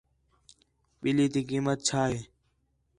ٻِلّھی تی قیمت چَھا ہِے